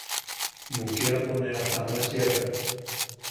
Mukiapo ne a tamachiakan.